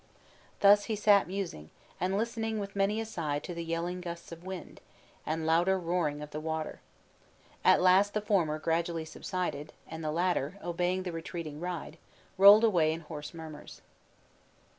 Thus he sat musing, and listening, with many a sigh, to the yelling gusts of wind, and louder roaring of the water. At last the former gradually subsided, and the latter, obeying the retreating ride, rolled away in hoarse murmurs.